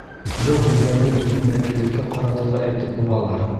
Был һүҙҙәрҙе беҙҙең вәкиллеккә ҡарата ла әйтеп булалыр.